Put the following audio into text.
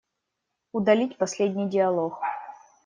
Удалить последний диалог.